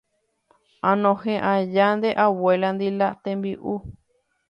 anohẽ aja nde abuéla-ndi la tembi'u.